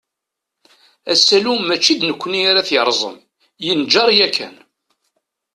Asalu, mačči d nekni ara t-yerẓen, yenǧer yakan.